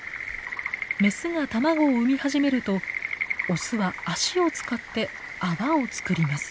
メスが卵を産み始めるとオスは足を使って泡を作ります。